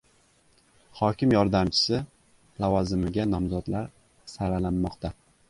"Hokim yordamchisi" lavozimiga nomzodlar saralanmoqda